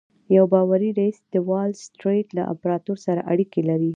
یو باوري ريیس یې د وال سټریټ له امپراتور سره اړیکې لري